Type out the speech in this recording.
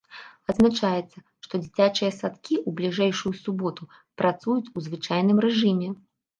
Адзначаецца, што дзіцячыя садкі ў бліжэйшую суботу працуюць у звычайным рэжыме.